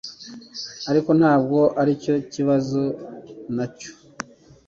Ariko ntabwo aricyo kibazo nyacyo